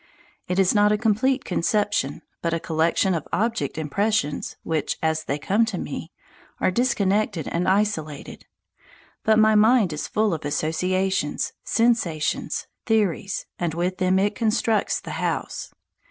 It is not a complete conception, but a collection of object impressions which, as they come to me, are disconnected and isolated. But my mind is full of associations, sensations, theories, and with them it constructs the house.